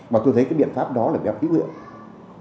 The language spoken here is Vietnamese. mà tôi thấy cái biện pháp đó là biện pháp ưu hiệu